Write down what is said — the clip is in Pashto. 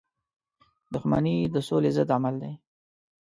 • دښمني د سولی ضد عمل دی.